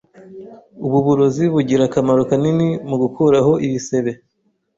Ubu burozi bugira akamaro kanini mugukuraho ibisebe.